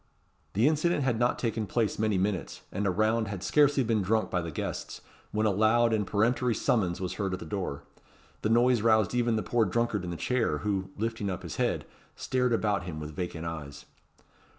The incident had not taken place many minutes, and a round had scarcely been drunk by the guests, when a loud and peremptory summons was heard at the door. The noise roused even the poor drunkard in the chair, who, lifting up his head, stared about him with vacant eyes.